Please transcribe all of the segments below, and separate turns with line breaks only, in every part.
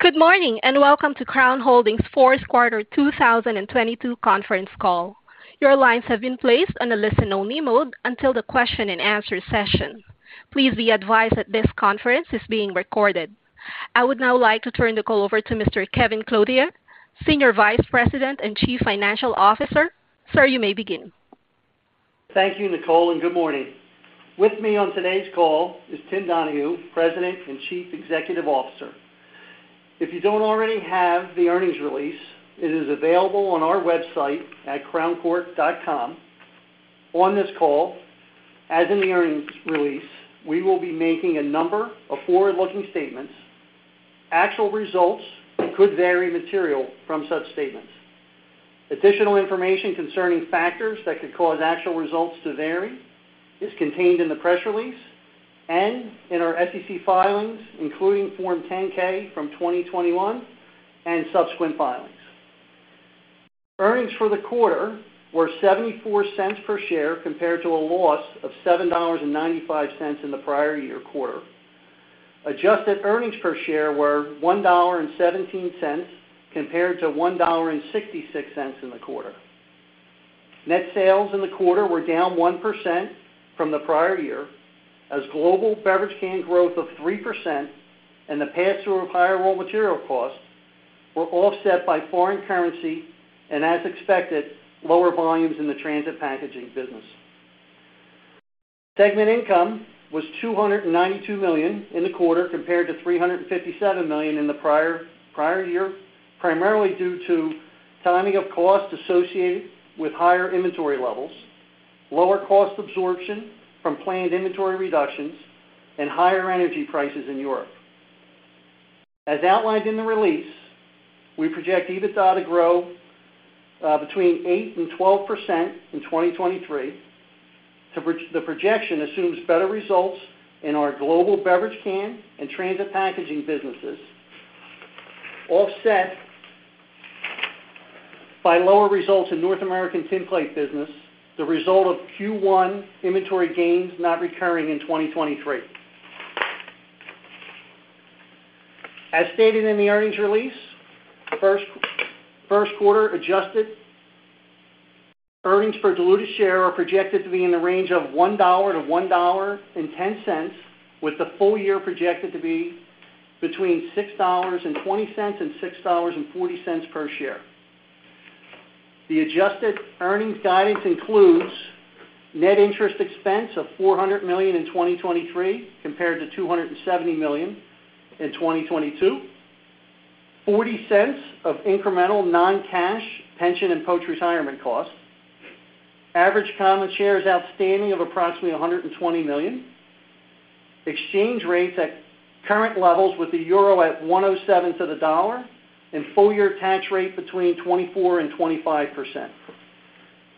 Good morning. Welcome to Crown Holdings' fourth quarter 2022 conference call. Your lines have been placed on a listen-only mode until the question-and-answer session. Please be advised that this conference is being recorded. I would now like to turn the call over to Mr. Kevin Clothier, Senior Vice President and Chief Financial Officer. Sir, you may begin.
Thank you, Nicole, and good morning. With me on today's call is Tim Donahue, President and Chief Executive Officer. If you don't already have the earnings release, it is available on our website at crowncork.com. On this call, as in the earnings release, we will be making a number of forward-looking statements. Actual results could vary material from such statements. Additional information concerning factors that could cause actual results to vary is contained in the press release and in our SEC filings, including Form 10-K from 2021 and subsequent filings. Earnings for the quarter were $0.74 per share compared to a loss of $7.95 in the prior year quarter. Adjusted earnings per share were $1.17 compared to $1.66 in the quarter. Net sales in the quarter were down 1% from the prior year as global beverage can growth of 3% and the pass-through of higher raw material cost were offset by foreign currency and, as expected, lower volumes in the Transit Packaging business. Segment income was $292 million in the quarter compared to $357 million in the prior year, primarily due to timing of costs associated with higher inventory levels, lower cost absorption from planned inventory reductions, and higher energy prices in Europe. As outlined in the release, we project EBITDA to grow between 8% and 12% in 2023. The projection assumes better results in our global beverage can and Transit Packaging businesses, offset by lower results in North American tinplate business, the result of Q1 inventory gains not recurring in 2023. As stated in the earnings release, first quarter adjusted earnings per diluted share are projected to be in the range of $1.00-$1.10, with the full year projected to be between $6.20 and $6.40 per share. The adjusted earnings guidance includes net interest expense of $400 million in 2023 compared to $270 million in 2022. $0.40 of incremental non-cash pension and post-retirement costs. Average common shares outstanding of approximately 120 million. Exchange rates at current levels with the EUR at 1.07 to the dollar and full-year tax rate between 24% and 25%.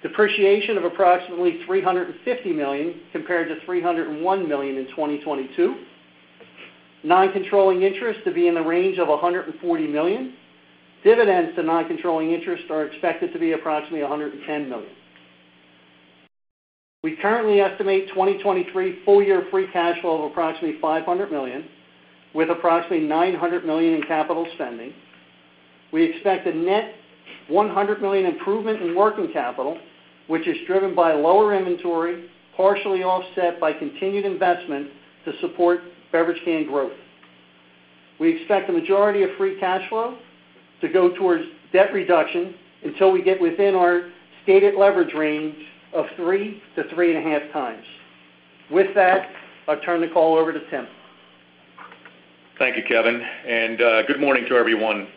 Depreciation of approximately $350 million compared to $301 million in 2022. Non-controlling interest to be in the range of $140 million. Dividends to non-controlling interests are expected to be approximately $110 million. We currently estimate 2023 full year free cash flow of approximately $500 million, with approximately $900 million in capital spending. We expect a net $100 million improvement in working capital, which is driven by lower inventory, partially offset by continued investment to support beverage can growth. We expect the majority of free cash flow to go towards debt reduction until we get within our stated leverage range of 3x-3.5x. With that, I'll turn the call over to Tim.
Thank you, Kevin. Good morning to everyone.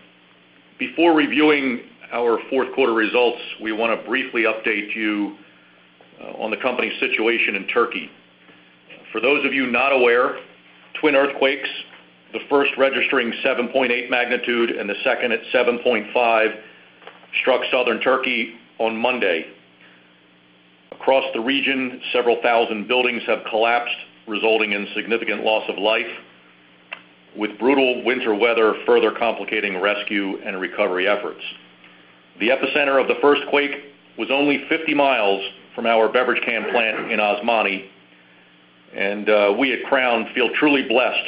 Before reviewing our fourth quarter results, we wanna briefly update you on the company's situation in Turkey. For those of you not aware, twin earthquakes, the first registering 7.8 magnitude and the second at 7.5, struck Southern Turkey on Monday. Across the region, several thousand buildings have collapsed, resulting in significant loss of life, with brutal winter weather further complicating rescue and recovery efforts. The epicenter of the first quake was only 50 mi from our beverage can plant in Osmaniye, and we at Crown feel truly blessed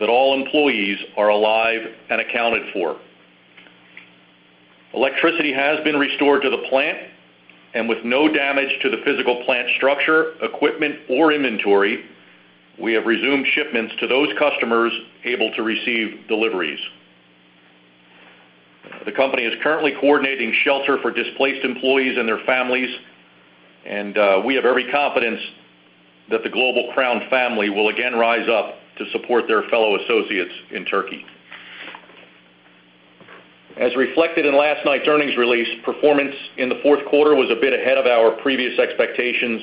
that all employees are alive and accounted for. Electricity has been restored to the plant, and with no damage to the physical plant structure, equipment, or inventory, we have resumed shipments to those customers able to receive deliveries. The company is currently coordinating shelter for displaced employees and their families, and we have every confidence that the global Crown family will again rise up to support their fellow associates in Turkey. As reflected in last night's earnings release, performance in the fourth quarter was a bit ahead of our previous expectations,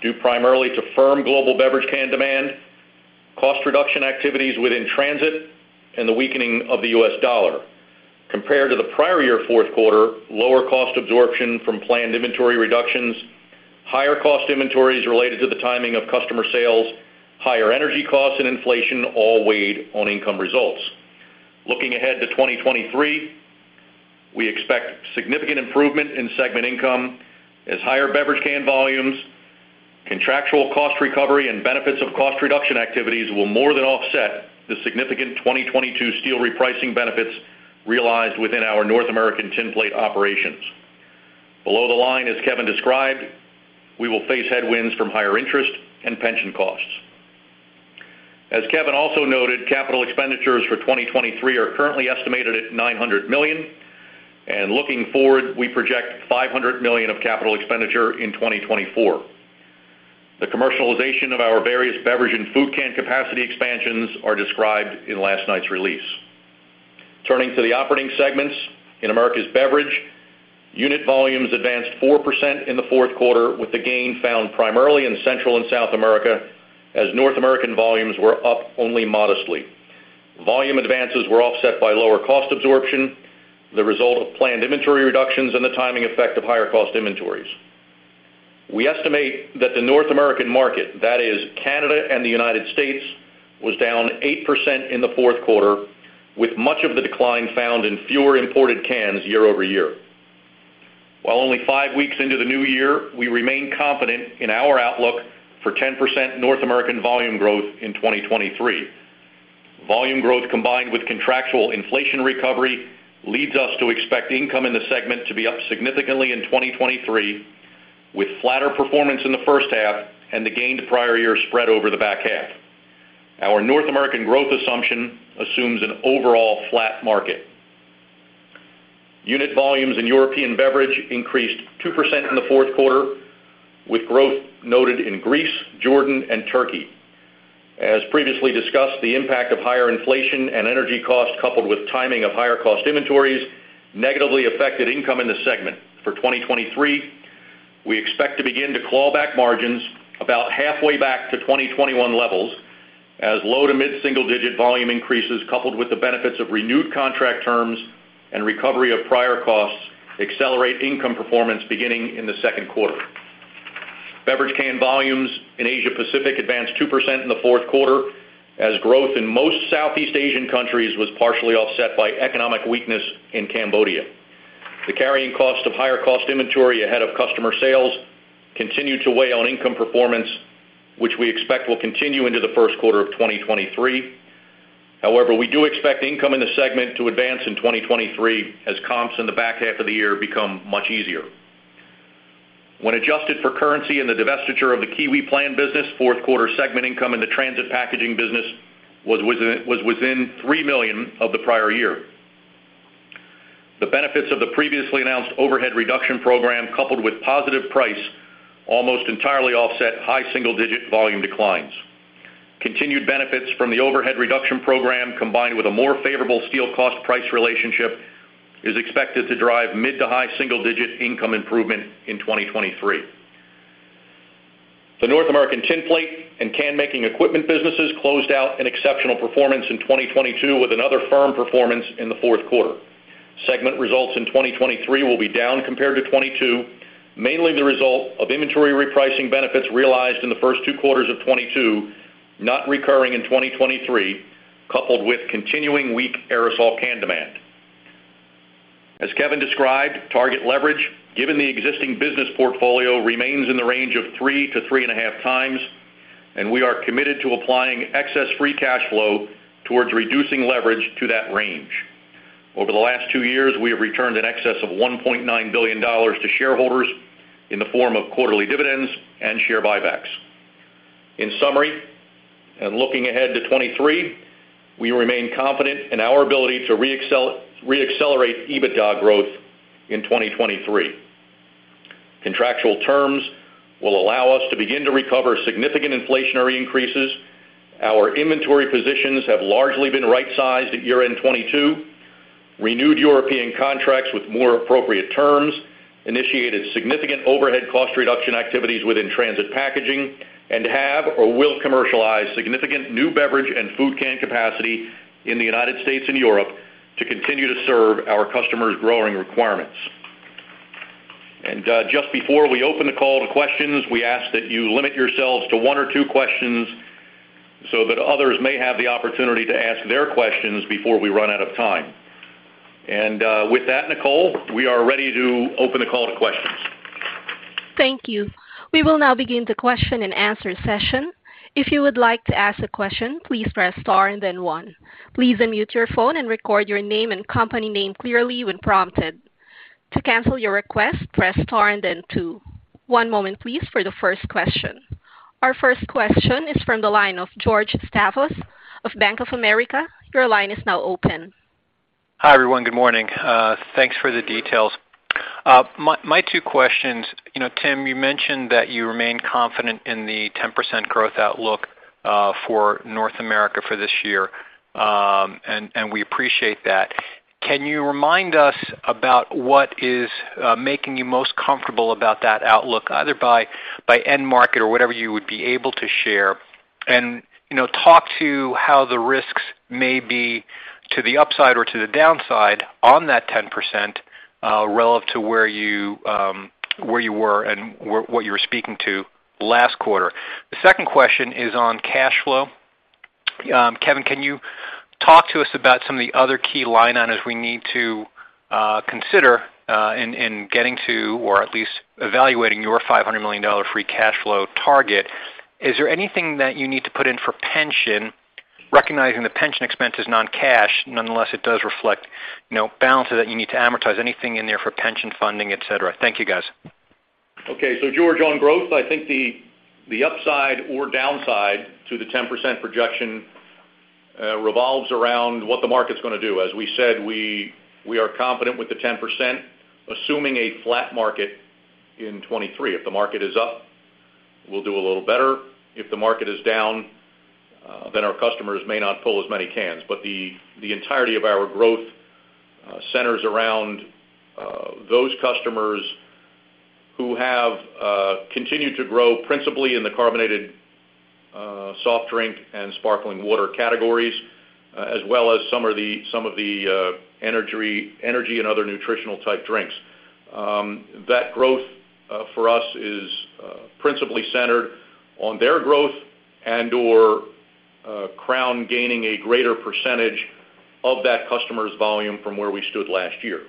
due primarily to firm global beverage can demand, cost reduction activities within transit, and the weakening of the U.S. dollar. Compared to the prior year fourth quarter, lower cost absorption from planned inventory reductions, higher cost inventories related to the timing of customer sales, higher energy costs and inflation all weighed on income results. Looking ahead to 2023, we expect significant improvement in segment income as higher beverage can volumes, contractual cost recovery and benefits of cost reduction activities will more than offset the significant 2022 steel repricing benefits realized within our North American tinplate operations. Below the line, as Kevin described, we will face headwinds from higher interest and pension costs. As Kevin also noted, CapEx for 2023 are currently estimated at $900 million. Looking forward, we project $500 million of CapEx in 2024. The commercialization of our various beverage and food can capacity expansions are described in last night's release. Turning to the operating segments. In Americas Beverage, unit volumes advanced 4% in the fourth quarter, with the gain found primarily in Central and South America, as North American volumes were up only modestly. Volume advances were offset by lower cost absorption, the result of planned inventory reductions and the timing effect of higher cost inventories. We estimate that the North American market, that is Canada and the United States, was down 8% in the fourth quarter, with much of the decline found in fewer imported cans year-over-year. While only five weeks into the new year, we remain confident in our outlook for 10% North American volume growth in 2023. Volume growth combined with contractual inflation recovery leads us to expect income in the segment to be up significantly in 2023, with flatter performance in the first half and the gain to prior year spread over the back half. Our North American growth assumption assumes an overall flat market. Unit volumes in European Beverage increased 2% in the fourth quarter, with growth noted in Greece, Jordan and Turkey. As previously discussed, the impact of higher inflation and energy costs, coupled with timing of higher cost inventories, negatively affected income in the segment. For 2023, we expect to begin to claw back margins about halfway back to 2021 levels as low to mid-single digit volume increases, coupled with the benefits of renewed contract terms and recovery of prior costs accelerate income performance beginning in the second quarter. Beverage can volumes in Asia Pacific advanced 2% in the fourth quarter as growth in most Southeast Asian countries was partially offset by economic weakness in Cambodia. The carrying cost of higher cost inventory ahead of customer sales continued to weigh on income performance, which we expect will continue into the first quarter of 2023. We do expect income in the segment to advance in 2023 as comps in the back half of the year become much easier. When adjusted for currency and the divestiture of the Kiwiplan business, fourth quarter segment income in the transit packaging business was within $3 million of the prior year. The benefits of the previously announced overhead reduction program, coupled with positive price, almost entirely offset high single-digit volume declines. Continued benefits from the overhead reduction program, combined with a more favorable steel cost price relationship, is expected to drive mid to high single-digit income improvement in 2023. The North American tinplate and can-making equipment businesses closed out an exceptional performance in 2022 with another firm performance in the fourth quarter. Segment results in 2023 will be down compared to 2022, mainly the result of inventory repricing benefits realized in the first two quarters of 2022, not recurring in 2023, coupled with continuing weak aerosol can demand. As Kevin described, target leverage given the existing business portfolio remains in the range of 3x-3.5x, and we are committed to applying excess free cash flow towards reducing leverage to that range. Over the last two years, we have returned in excess of $1.9 billion to shareholders in the form of quarterly dividends and share buybacks. In summary, and looking ahead to 2023, we remain confident in our ability to reaccelerate EBITDA growth in 2023. Contractual terms will allow us to begin to recover significant inflationary increases. Our inventory positions have largely been rightsized at year-end 2022. Renewed European contracts with more appropriate terms. Initiated significant overhead cost reduction activities within Transit Packaging. Have or will commercialize significant new beverage and food can capacity in the United States and Europe to continue to serve our customers' growing requirements. Just before we open the call to questions, we ask that you limit yourselves to one or two questions so that others may have the opportunity to ask their questions before we run out of time. With that, Nicole, we are ready to open the call to questions.
Thank you. We will now begin the question-and-answer session. If you would like to ask a question, please press star and then one. Please unmute your phone and record your name and company name clearly when prompted. To cancel your request, press star and then two. One moment please for the first question. Our first question is from the line of George Staphos of Bank of America. Your line is now open.
Hi, everyone. Good morning. Thanks for the details. My two questions. You know, Tim, you mentioned that you remain confident in the 10% growth outlook for North America for this year, and we appreciate that. Can you remind us about what is making you most comfortable about that outlook, either by end market or whatever you would be able to share? You know, talk to how the risks may be to the upside or to the downside on that 10% relative to where you were and what you were speaking to last quarter. The second question is on cash flow. Kevin, can you talk to us about some of the other key line items we need to consider getting to or at least evaluating your $500 million free cash flow target? Is there anything that you need to put in for pension, recognizing the pension expense is non-cash? Nonetheless, it does reflect no balance that you need to amortize anything in there for pension funding, et cetera. Thank you, guys.
Okay. George, on growth, I think the upside or downside to the 10% projection revolves around what the market's gonna do. As we said, we are confident with the 10% assuming a flat market in 2023. If the market is up, we'll do a little better. If the market is down, then our customers may not pull as many cans. The entirety of our growth centers around those customers who have continued to grow principally in the carbonated soft drink and sparkling water categories, as well as some of the energy and other nutritional type drinks. That growth for us is principally centered on their growth and or Crown gaining a greater percentage of that customer's volume from where we stood last year.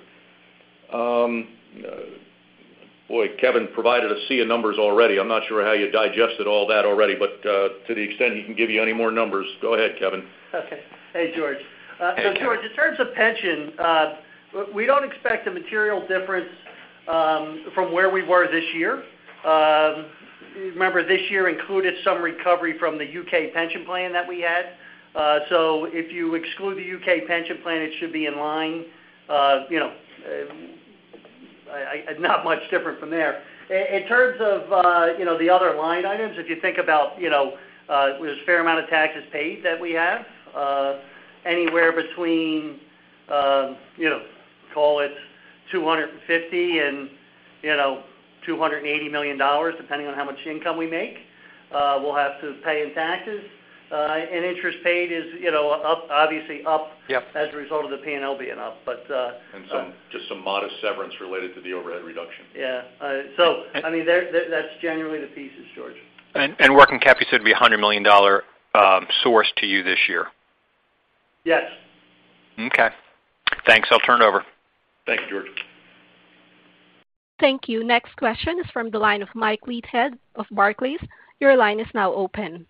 Boy, Kevin provided a sea of numbers already. I'm not sure how you digested all that already, but to the extent he can give you any more numbers, go ahead, Kevin.
Okay. Hey, George.
Hey, Kevin.
George, in terms of pension, we don't expect a material difference from where we were this year. Remember, this year included some recovery from the U.K. pension plan that we had. If you exclude the U.K. pension plan, it should be in line, you know, not much different from there. In terms of, you know, the other line items, if you think about, you know, there's a fair amount of taxes paid that we have, anywhere between, you know, call it $250 million and, you know, $280 million, depending on how much income we make, we'll have to pay in taxes. Interest paid is, you know, up, obviously up.
Yep...
as a result of the P&L being up.
Some, just some modest severance related to the overhead reduction.
Yeah. I mean, there, that's generally the pieces, George.
Working cap you said would be $100 million source to you this year.
Yes.
Okay. Thanks. I'll turn it over.
Thank you, George.
Thank you. Next question is from the line of Mike Leithead of Barclays. Your line is now open.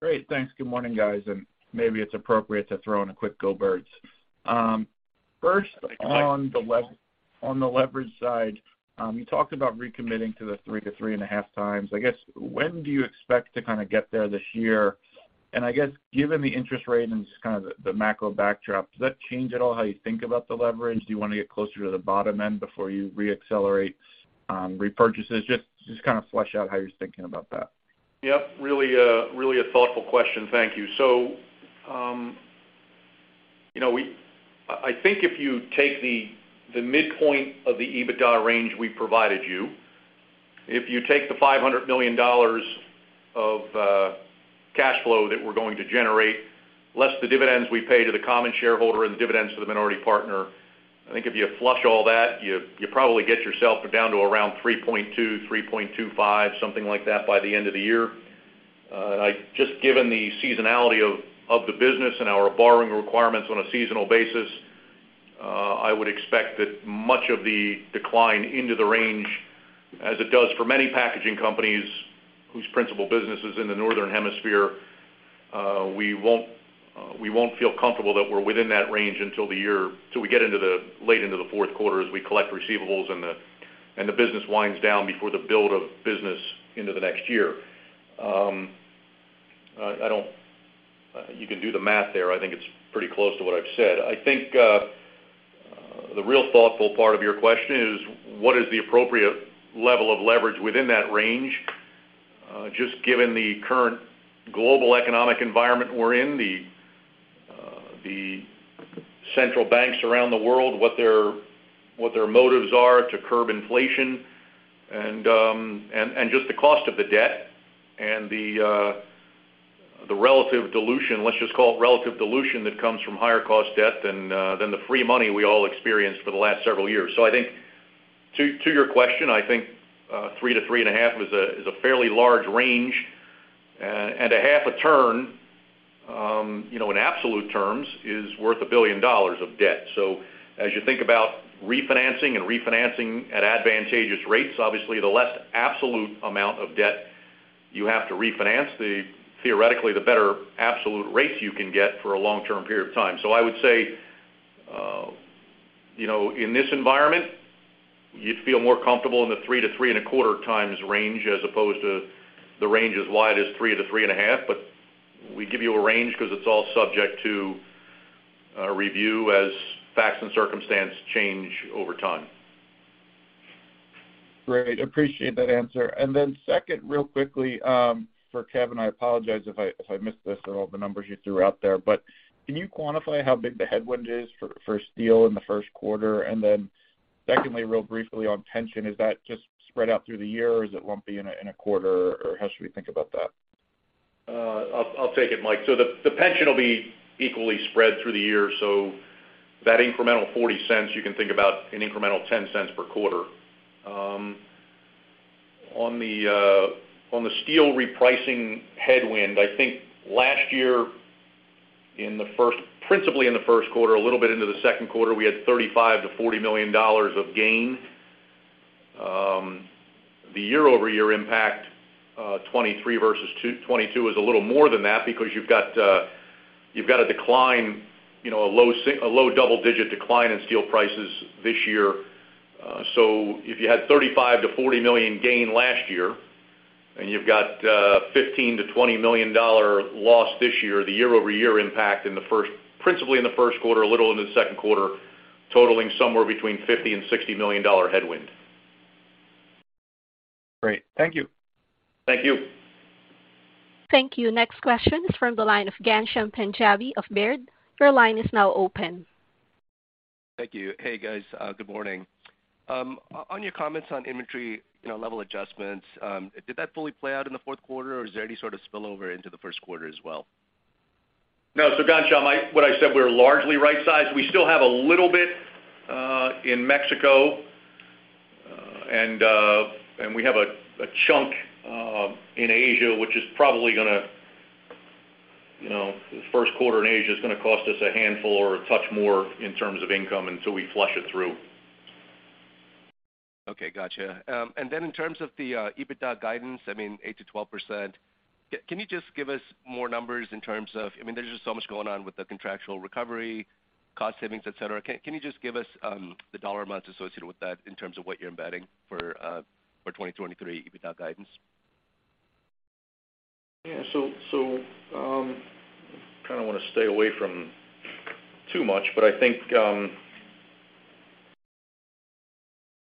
Great. Thanks. Good morning, guys. Maybe it's appropriate to throw in a quick Go Birds.
Thank you, Mike.
On the leverage side, you talked about recommitting to the 3-3.5 times. I guess, when do you expect to kind of get there this year? I guess, given the interest rate and just kind of the macro backdrop, does that change at all how you think about the leverage? Do you wanna get closer to the bottom end before you reaccelerate, repurchases? Just kind of flesh out how you're thinking about that.
Yep. Really, really a thoughtful question. Thank you. You know, I think if you take the midpoint of the EBITDA range we provided you, if you take the $500 million of cash flow that we're going to generate, less the dividends we pay to the common shareholder and the dividends to the minority partner, I think if you flush all that, you probably get yourself down to around $3.2, $3.25, something like that by the end of the year. I just given the seasonality of the business and our borrowing requirements on a seasonal basis, I would expect that much of the decline into the range, as it does for many packaging companies whose principal business is in the Northern Hemisphere, we won't feel comfortable that we're within that range until the year, till we get into the late into the fourth quarter as we collect receivables and the business winds down before the build of business into the next year. I don't. You can do the math there. I think it's pretty close to what I've said. I think the real thoughtful part of your question is what is the appropriate level of leverage within that range, just given the current global economic environment we're in, the central banks around the world, what their motives are to curb inflation and just the cost of the debt and the relative dilution, let's just call it relative dilution that comes from higher cost debt than the free money we all experienced for the last several years. I think to your question, I think 3-3.5 is a fairly large range, and a half a turn, you know, in absolute terms, is worth $1 billion of debt. As you think about refinancing and refinancing at advantageous rates, obviously the less absolute amount of debt you have to refinance, the theoretically the better absolute rates you can get for a long-term period of time. I would say, you know, in this environment, you'd feel more comfortable in the 3x-3.25x range as opposed to the range as wide as 3x-3.5x. We give you a range 'cause it's all subject to review as facts and circumstance change over time.
Great. Appreciate that answer. Second, real quickly, for Kevin, I apologize if I missed this in all the numbers you threw out there, but can you quantify how big the headwind is for steel in the first quarter? Secondly, real briefly on pension, is that just spread out through the year or is it lumpy in a quarter or how should we think about that?
I'll take it, Mike. The pension will be equally spread through the year. That incremental $0.40 you can think about an incremental $0.10 per quarter. On the steel repricing headwind, I think last year in the first, principally in the first quarter, a little bit into the second quarter, we had $35 million-$40 million of gain. The year-over-year impact, 2023 versus 2022 is a little more than that because you've got a decline, you know, a low double-digit decline in steel prices this year. If you had $35 million-$40 million gain last year and you've got $15 million-$20 million loss this year, the year-over-year impact principally in the first quarter, a little in the second quarter, totaling somewhere between $50 million and $60 million headwind.
Great. Thank you.
Thank you.
Thank you. Next question is from the line of Ghansham Panjabi of Baird. Your line is now open.
Thank you. Hey, guys, good morning. On your comments on inventory, you know, level adjustments, did that fully play out in the fourth quarter, or is there any sort of spillover into the first quarter as well?
No. Ghansham, what I said, we were largely right-sized. We still have a little bit in Mexico, and we have a chunk in Asia, which is probably gonna, you know, the first quarter in Asia is gonna cost us a handful or a touch more in terms of income until we flush it through.
Okay. Gotcha. In terms of the EBITDA guidance, I mean, 8%-12%, can you just give us more numbers in terms of... I mean, there's just so much going on with the contractual recovery, cost savings, et cetera. Can you just give us the dollar amounts associated with that in terms of what you're embedding for 2023 EBITDA guidance?
Yeah. Kinda wanna stay away from too much, but I think,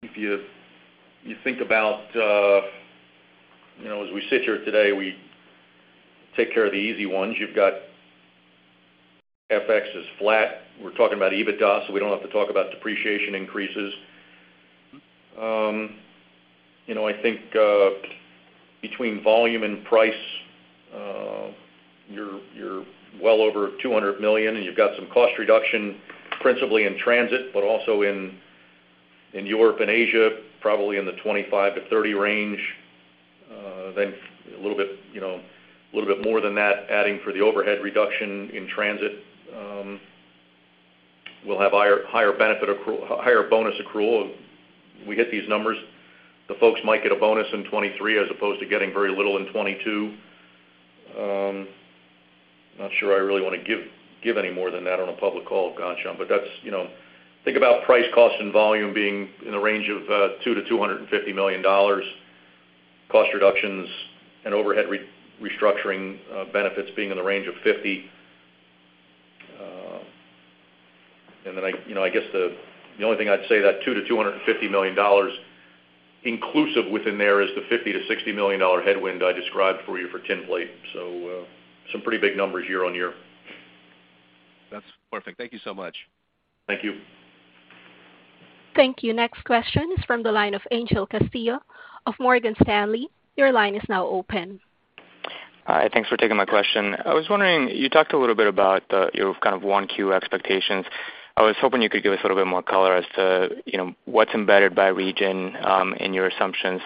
if you think about, you know, as we sit here today, we take care of the easy ones. You've got FX is flat. We're talking about EBITDA, so we don't have to talk about depreciation increases. You know, I think, between volume and price, you're well over $200 million, and you've got some cost reduction principally in transit, but also in Europe and Asia, probably in the $25-$30 range. A little bit, you know, a little bit more than that adding for the overhead reduction in transit. We'll have higher bonus accrual. We hit these numbers, the folks might get a bonus in 2023 as opposed to getting very little in 2022. Not sure I really wanna give any more than that on a public call, Ghansham. That's, you know, think about price, cost, and volume being in the range of $2 million-$250 million. Cost reductions and overhead restructuring benefits being in the range of $50. I, you know, I guess the only thing I'd say that $2 million-$250 million inclusive within there is the $50 million-$60 million headwind I described for you for tin plate. Some pretty big numbers year-on-year.
That's perfect. Thank you so much.
Thank you.
Thank you. Next question is from the line of Angel Castillo of Morgan Stanley. Your line is now open.
Hi. Thanks for taking my question. I was wondering, you talked a little bit about, your kind of 1Q expectations. I was hoping you could give us a little bit more color as to, you know, what's embedded by region, in your assumptions,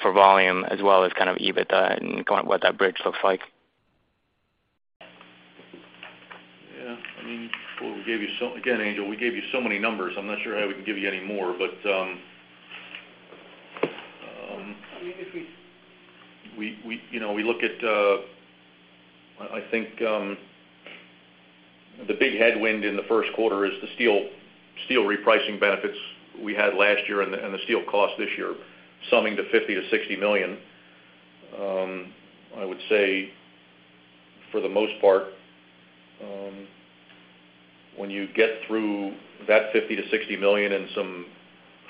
for volume as well as kind of EBITDA and kind of what that bridge looks like.
I mean, well, again, Angel, we gave you so many numbers, I'm not sure how we can give you any more. I mean, if we, you know, we look at, I think, the big headwind in the first quarter is the steel repricing benefits we had last year and the steel cost this year summing to $50 million-$60 million. I would say for the most part, when you get through that $50 million-$60 million and some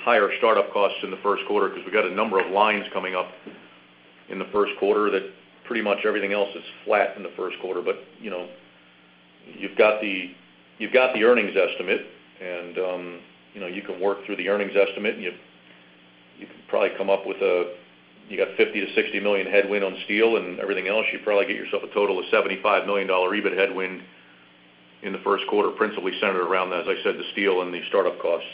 higher startup costs in the first quarter, 'cause we've got a number of lines coming up in the first quarter that pretty much everything else is flat in the first quarter. You know, you've got the, you've got the earnings estimate, you know, you can work through the earnings estimate and you can probably come up with a, you got $50 million-$60 million headwind on steel and everything else. You probably get yourself a total of $75 million EBIT headwind in the first quarter, principally centered around, as I said, the steel and the startup costs.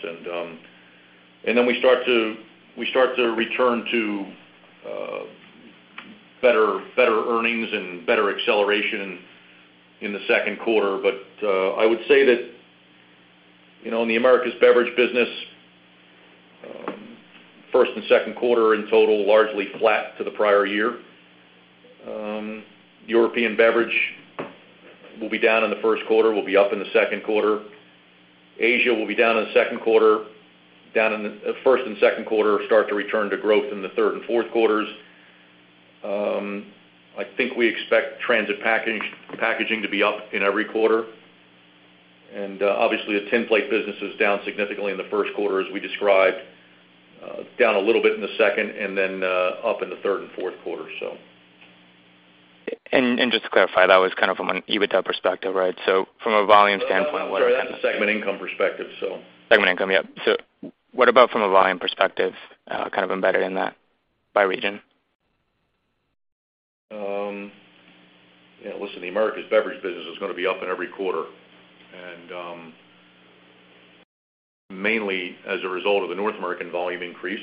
Then we start to return to better earnings and better acceleration in the second quarter. I would say that, you know, in the Americas Beverage business, first and second quarter in total largely flat to the prior year. European Beverage will be down in the first quarter, will be up in the second quarter. Asia will be down in the second quarter, down in the first and second quarter, start to return to growth in the third and fourth quarters. I think we expect transit packaging to be up in every quarter. Obviously, the Tinplate business is down significantly in the first quarter as we described, down a little bit in the second, and then up in the third and fourth quarter.
Just to clarify, that was kind of from an EBITDA perspective, right? From a volume standpoint, what are?
Sorry, that's a segment income perspective, so.
Segment income, yep. What about from a volume perspective, kind of embedded in that by region?
Yeah, listen, the Americas Beverage business is gonna be up in every quarter. Mainly as a result of the North American volume increase.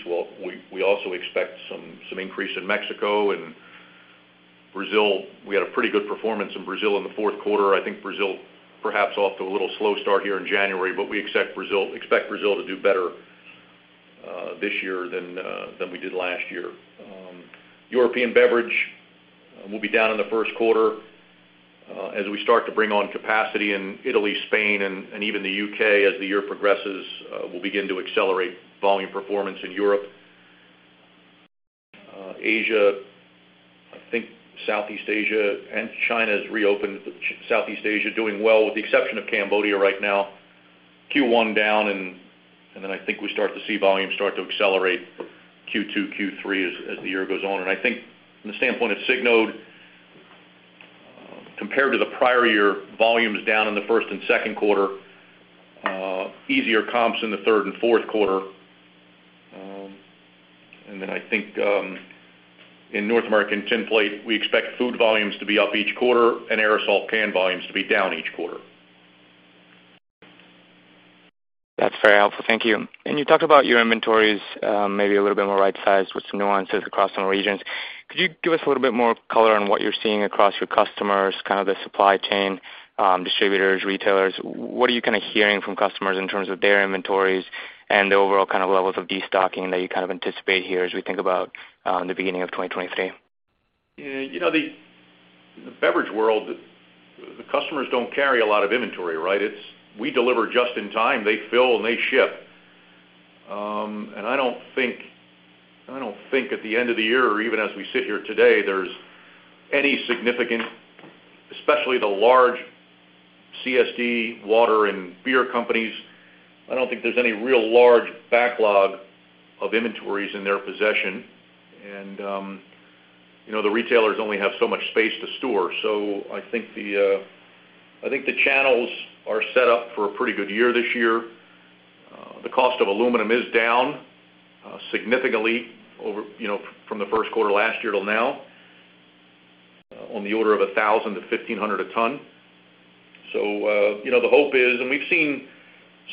We also expect some increase in Mexico and Brazil. We had a pretty good performance in Brazil in the fourth quarter. I think Brazil perhaps off to a little slow start here in January, but we expect Brazil to do better this year than we did last year. European Beverage will be down in the first quarter, as we start to bring on capacity in Italy, Spain, and even the U.K. as the year progresses, will begin to accelerate volume performance in Europe. Asia, I think Southeast Asia and China has reopened. Southeast Asia doing well with the exception of Cambodia right now. Q1 down, then I think we start to see volumes start to accelerate Q2, Q3 as the year goes on. I think from the standpoint of Signode, compared to the prior year, volume is down in the first and second quarter, easier comps in the third and fourth quarter. I think in North American tinplate, we expect food volumes to be up each quarter and aerosol can volumes to be down each quarter.
That's very helpful. Thank you. You talked about your inventories, maybe a little bit more right-sized with some nuances across some regions. Could you give us a little bit more color on what you're seeing across your customers, kind of the supply chain, distributors, retailers? What are you kinda hearing from customers in terms of their inventories and the overall kind of levels of destocking that you kind of anticipate here as we think about the beginning of 2023?
You know, the beverage world, the customers don't carry a lot of inventory, right? It's we deliver just in time, they fill and they ship. I don't think, I don't think at the end of the year or even as we sit here today, there's any significant, especially the large CSD water and beer companies, I don't think there's any real large backlog of inventories in their possession. You know, the retailers only have so much space to store. I think the channels are set up for a pretty good year this year. The cost of aluminum is down significantly over, you know, from the first quarter last year till now, on the order of $1,000-$1,500 a ton. You know, the hope is, and we've seen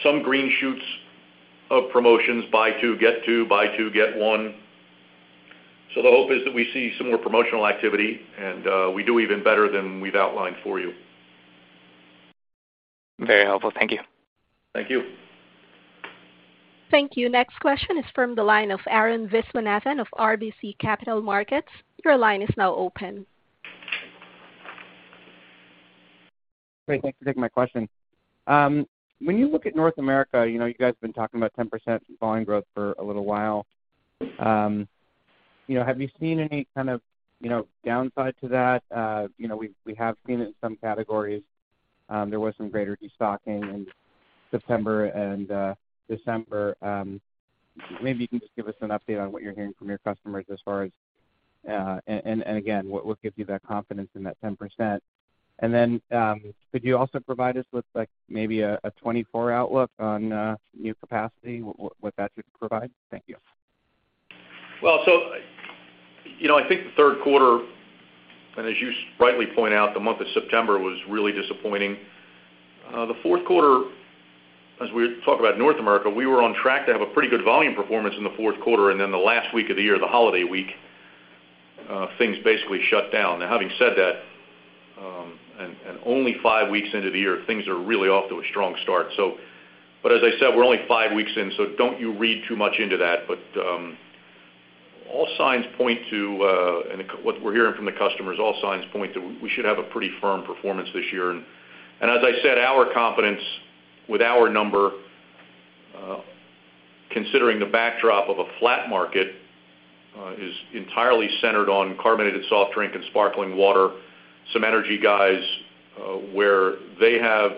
some green shoots of promotions, buy two, get two, buy two, get one. The hope is that we see some more promotional activity, and we do even better than we've outlined for you.
Very helpful. Thank you.
Thank you.
Thank you. Next question is from the line of Arun Viswanathan of RBC Capital Markets. Your line is now open.
Great. Thanks for taking my question. When you look at North America, you know, you guys have been talking about 10% volume growth for a little while. You know, have you seen any kind of, you know, downside to that? You know, we have seen it in some categories. There was some greater destocking in September and December. Maybe you can just give us an update on what you're hearing from your customers as far as... Again, what gives you that confidence in that 10%? Then, could you also provide us with, like, maybe a 2024 outlook on new capacity, what that should provide? Thank you.
Well, so, you know, I think the third quarter, and as you rightly point out, the month of September was really disappointing. The fourth quarter, as we talk about North America, we were on track to have a pretty good volume performance in the fourth quarter, and then the last week of the year, the holiday week, things basically shut down. Now, having said that, and only five weeks into the year, things are really off to a strong start. As I said, we're only five weeks in, so don't you read too much into that. All signs point to, and what we're hearing from the customers, all signs point to we should have a pretty firm performance this year. As I said, our confidence with our number, considering the backdrop of a flat market, is entirely centered on carbonated soft drink and sparkling water. Some energy guys, where they have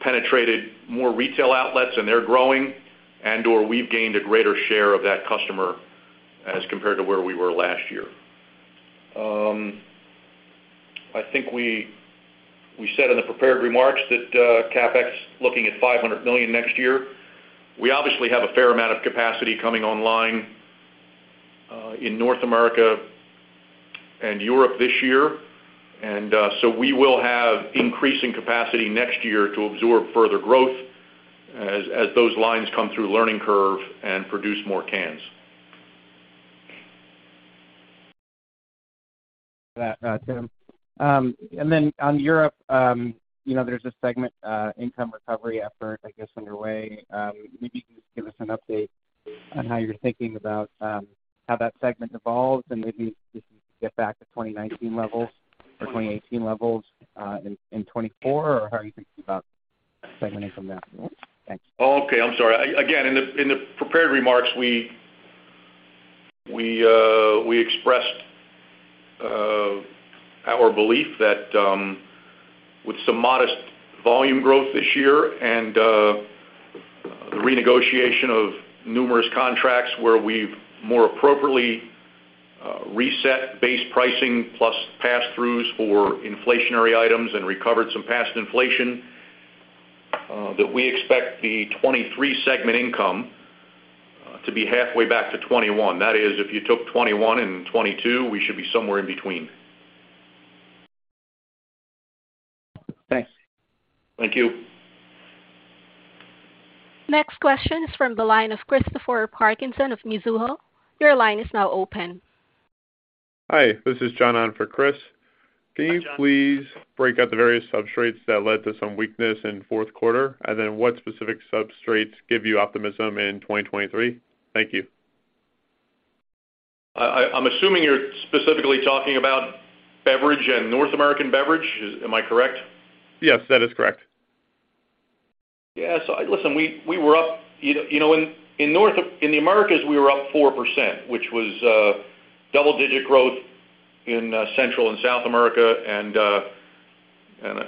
penetrated more retail outlets and they're growing and/or we've gained a greater share of that customer as compared to where we were last year. I think we said in the prepared remarks that CapEx looking at $500 million next year. We obviously have a fair amount of capacity coming online, in North America and Europe this year. So we will have increasing capacity next year to absorb further growth as those lines come through learning curve and produce more cans.
Got that, Tim. On Europe, you know, there's a segment income recovery effort, I guess, underway. Maybe you can just give us an update on how you're thinking about how that segment evolves, and maybe if you get back to 2019 levels or 2018 levels in 2024, or how are you thinking about segmenting from that point? Thanks.
Okay. I'm sorry. Again, in the prepared remarks, we expressed our belief that with some modest volume growth this year and the renegotiation of numerous contracts where we've more appropriately reset base pricing plus passthroughs for inflationary items and recovered some past inflation, that we expect the 2023 segment income to be halfway back to 2021. That is, if you took 2021 and 2022, we should be somewhere in between.
Thanks.
Thank you.
Next question is from the line of Christopher Parkinson of Mizuho. Your line is now open.
Hi, this is John on for Chris.
Hi, John.
Can you please break out the various substrates that led to some weakness in fourth quarter, and then what specific substrates give you optimism in 2023? Thank you.
I'm assuming you're specifically talking about beverage and North American beverage. Am I correct?
Yes, that is correct.
Listen, we were up, you know, in the Americas, we were up 4%, which was double digit growth in Central and South America and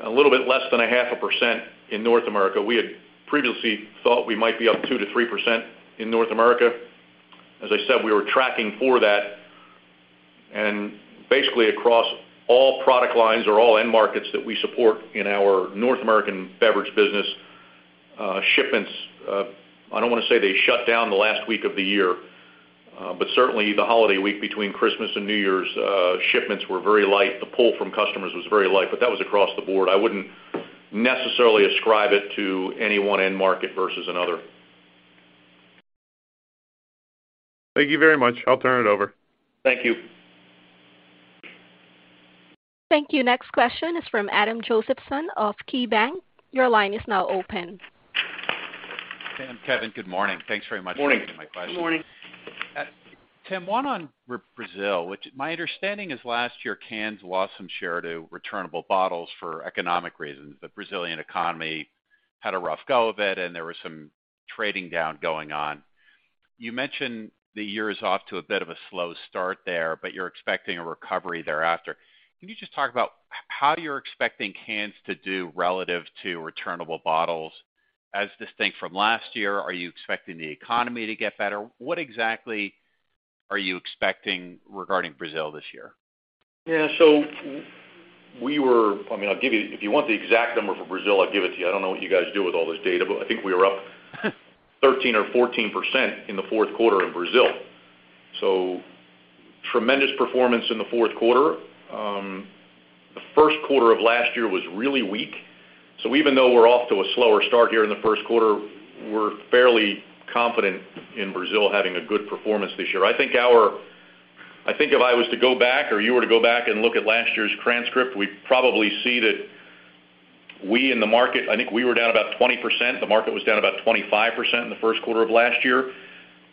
a little bit less than 0.5% in North America. We had previously thought we might be up 2%-3% in North America. As I said, we were tracking for that. Basically across all product lines or all end markets that we support in our North American beverage business, shipments, I don't wanna say they shut down the last week of the year, certainly the holiday week between Christmas and New Year's, shipments were very light. The pull from customers was very light, that was across the board. I wouldn't necessarily ascribe it to any one end market versus another.
Thank you very much. I'll turn it over.
Thank you.
Thank you. Next question is from Adam Josephson of KeyBanc. Your line is now open.
Tim, Kevin, good morning. Thanks very much for taking my question.
Morning.
Good morning.
Tim, one on Brazil, which my understanding is last year, cans lost some share to returnable bottles for economic reasons. The Brazilian economy had a rough go of it, and there was some trading down going on. You mentioned the year is off to a bit of a slow start there, but you're expecting a recovery thereafter. Can you just talk about how you're expecting cans to do relative to returnable bottles as distinct from last year? Are you expecting the economy to get better? What exactly are you expecting regarding Brazil this year?
Yeah. I mean, if you want the exact number for Brazil, I'll give it to you. I don't know what you guys do with all this data, I think we were up 13% or 14% in the fourth quarter in Brazil. Tremendous performance in the fourth quarter. The first quarter of last year was really weak. Even though we're off to a slower start here in the first quarter, we're fairly confident in Brazil having a good performance this year. I think if I was to go back or you were to go back and look at last year's transcript, we'd probably see that we in the market, I think we were down about 20%. The market was down about 25% in the first quarter of last year.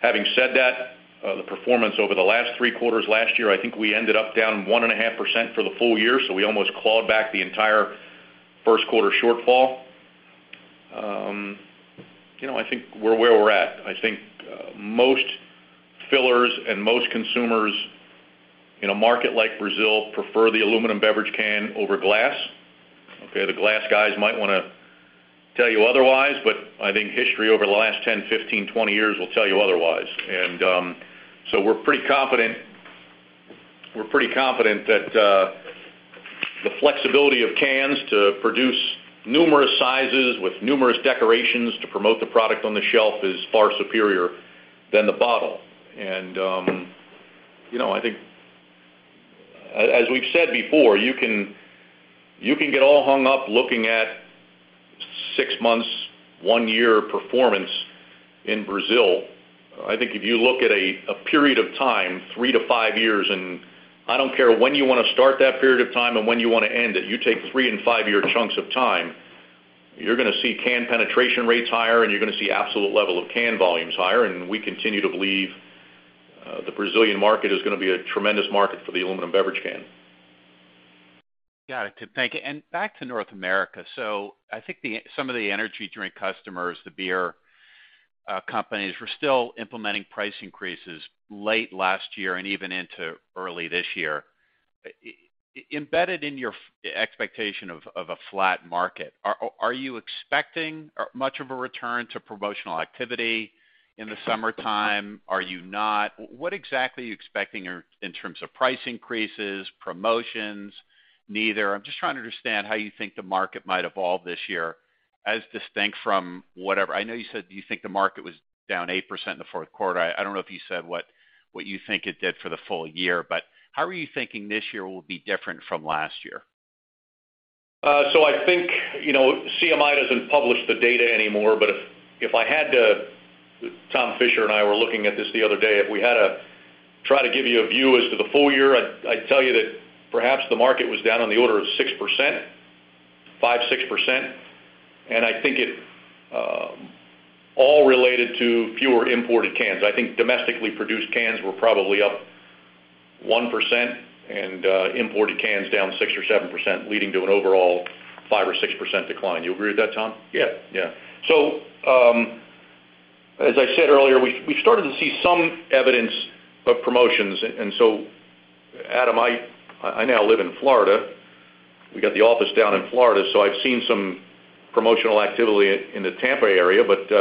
Having said that, the performance over the last three quarters last year, I think we ended up down 1.5% for the full year, so we almost clawed back the entire first quarter shortfall. You know, I think we're where we're at. I think most fillers and most consumers in a market like Brazil prefer the aluminum beverage can over glass. Okay, the glass guys might wanna tell you otherwise, but I think history over the last 10, 15, 20 years will tell you otherwise. We're pretty confident that the flexibility of cans to produce numerous sizes with numerous decorations to promote the product on the shelf is far superior than the bottle. You know, I think as we've said before, you can get all hung up looking at six months, one year performance in Brazil. I think if you look at a period of time, three-five years, and I don't care when you wanna start that period of time and when you wanna end it, you take three and five-year chunks of time, you're gonna see can penetration rates higher and you're gonna see absolute level of can volumes higher, we continue to believe the Brazilian market is gonna be a tremendous market for the aluminum beverage can.
Got it. Thank you. Back to North America. I think the, some of the energy drink customers, the beer companies, were still implementing price increases late last year and even into early this year. Embedded in your expectation of a flat market, are you expecting much of a return to promotional activity in the summertime? Are you not? What exactly are you expecting in terms of price increases, promotions, neither? I'm just trying to understand how you think the market might evolve this year as distinct from whatever. I know you said you think the market was down 8% in the fourth quarter. I don't know if you said what you think it did for the full year, but how are you thinking this year will be different from last year?
I think, you know, CMI doesn't publish the data anymore, but if I had to... Thomas Fischer and I were looking at this the other day. If we had to try to give you a view as to the full year, I'd tell you that perhaps the market was down on the order of 5%-6%. And I think it, all related to fewer imported cans. I think domestically produced cans were probably up 1% and, imported cans down 6%-7%, leading to an overall 5%-6% decline. You agree with that, Tom?
Yeah.
Yeah. As I said earlier, we started to see some evidence of promotions. Adam, I now live in Florida. We got the office down in Florida, so I've seen some promotional activity in the Tampa area, but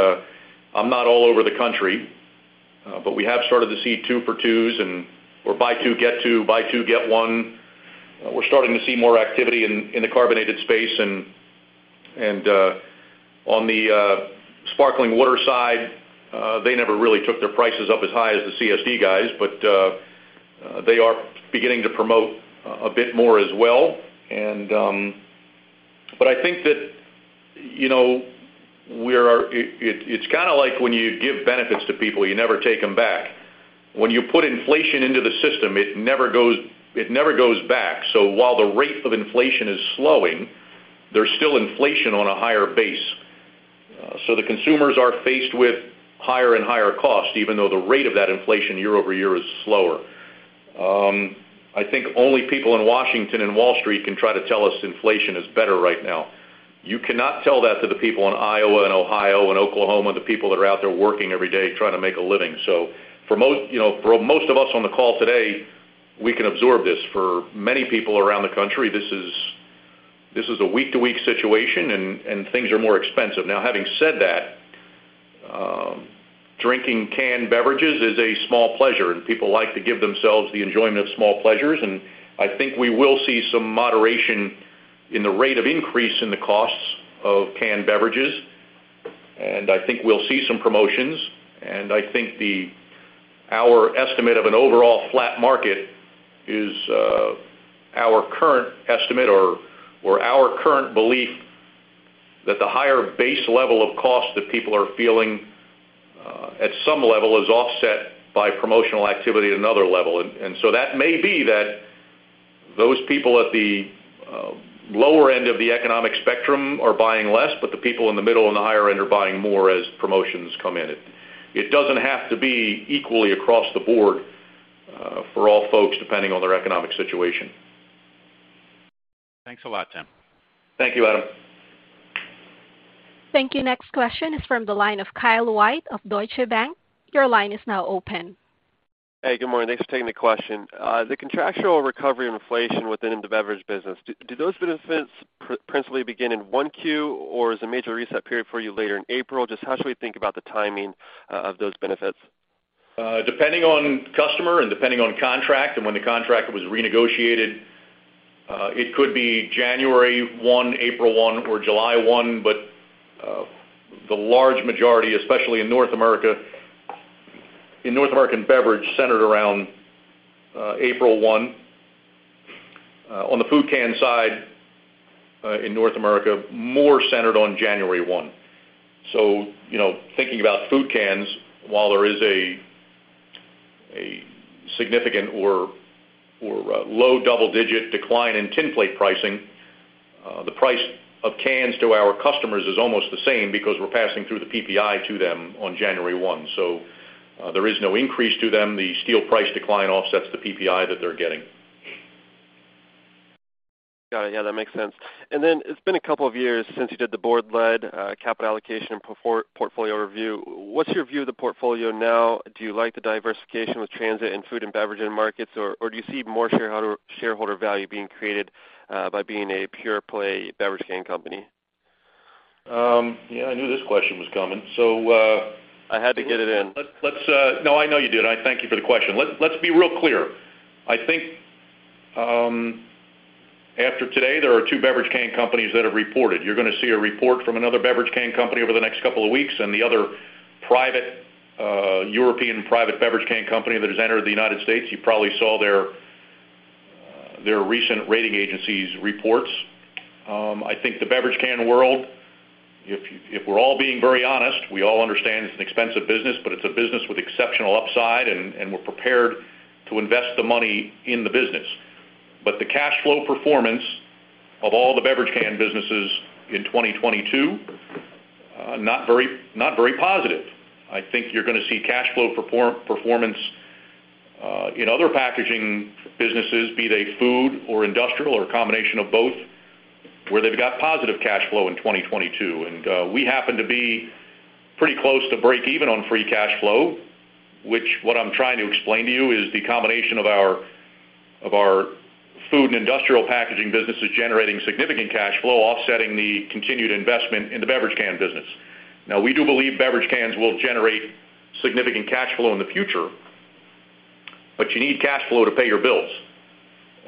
I'm not all over the country. We have started to see two for twos and or buy two get two, buy two get one. We're starting to see more activity in the carbonated space and on the sparkling water side, they never really took their prices up as high as the CSD guys, but they are beginning to promote a bit more as well. I think that, you know, we are it's kinda like when you give benefits to people, you never take them back. When you put inflation into the system, it never goes back. While the rate of inflation is slowing, there's still inflation on a higher base. The consumers are faced with higher and higher costs, even though the rate of that inflation year-over-year is slower. I think only people in Washington and Wall Street can try to tell us inflation is better right now. You cannot tell that to the people in Iowa and Ohio and Oklahoma, the people that are out there working every day trying to make a living. For you know, for most of us on the call today, we can absorb this. For many people around the country, this is a week-to-week situation and things are more expensive. Having said that, drinking canned beverages is a small pleasure, and people like to give themselves the enjoyment of small pleasures. I think we will see some moderation in the rate of increase in the costs of canned beverages. I think we'll see some promotions. I think our estimate of an overall flat market is our current estimate or our current belief that the higher base level of cost that people are feeling at some level is offset by promotional activity at another level. That may be that those people at the lower end of the economic spectrum are buying less, but the people in the middle and the higher end are buying more as promotions come in. It doesn't have to be equally across the board for all folks, depending on their economic situation.
Thanks a lot, Tim.
Thank you, Adam.
Thank you. Next question is from the line of Kyle White of Deutsche Bank. Your line is now open.
Hey, good morning. Thanks for taking the question. The contractual recovery and inflation within the beverage business, do those benefits principally begin in 1Q or is the major reset period for you later in April? Just how should we think about the timing of those benefits?
Depending on customer and depending on contract and when the contract was renegotiated, it could be January 1, April 1, or July 1. The large majority, especially in North America, in Americas Beverage, centered around April 1. On the food can side, in North America, more centered on January 1. You know, thinking about food cans, while there is a significant or low double-digit decline in tin plate pricing, the price of cans to our customers is almost the same because we're passing through the PPI to them on January 1. There is no increase to them. The steel price decline offsets the PPI that they're getting.
Got it. Yeah, that makes sense. Then it's been a couple years since you did the board-led capital allocation and portfolio review. What's your view of the portfolio now? Do you like the diversification with transit and food and beverage end markets, or do you see more shareholder value being created by being a pure play beverage can company?
Yeah, I knew this question was coming.
I had to get it in.
Let's. No, I know you did. I thank you for the question. Let's be real clear. I think, after today, there are two beverage can companies that have reported. You're gonna see a report from another beverage can company over the next couple of weeks, and the other private European private beverage can company that has entered the United States. You probably saw their recent rating agencies reports. I think the beverage can world, if we're all being very honest, we all understand it's an expensive business, but it's a business with exceptional upside, and we're prepared to invest the money in the business. The cash flow performance of all the beverage can businesses in 2022, not very positive. I think you're gonna see cash flow performance in other packaging businesses, be they food or industrial or a combination of both, where they've got positive cash flow in 2022. We happen to be pretty close to break even on free cash flow, which what I'm trying to explain to you is the combination of our food and industrial packaging businesses generating significant cash flow, offsetting the continued investment in the beverage can business. We do believe beverage cans will generate significant cash flow in the future, but you need cash flow to pay your bills.